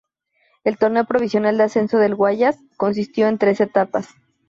El torneo provincial de ascenso del Guayas consistió de tres etapas.